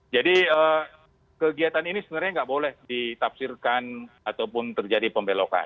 jadi kegiatan ini sebenarnya tidak boleh ditafsirkan ataupun terjadi pembelokan